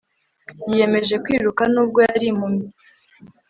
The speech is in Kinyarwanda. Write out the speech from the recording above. yiyemeje kwiruka nubwo yari impumyi